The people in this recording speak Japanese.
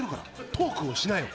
トークをしなよ。